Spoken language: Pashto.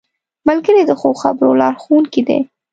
ملګری د ښو خبرو لارښوونکی دی